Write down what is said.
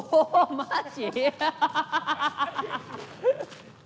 マジ！？